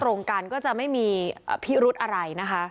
ตรงกันก็จะไม่มีพิรุธอะไรนะคะ